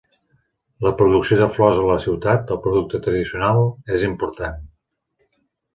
La producció de flors a la ciutat, el producte tradicional, és important.